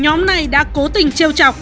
nhóm này đã cố tình trêu chọc